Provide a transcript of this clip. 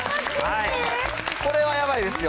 これはやばいですよ。